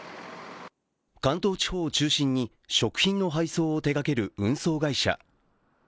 関東地方を中心に食品の配送を手がける運送会社。